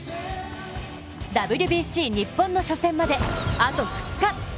ＷＢＣ、日本の初戦まであと２日。